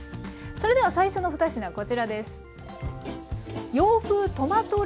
それでは最初の２品こちらです。